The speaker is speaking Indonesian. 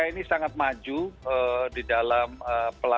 kita ingin menggunakan perusahaan yang berbeda